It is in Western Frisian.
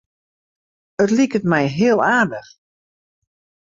It liket my heel aardich.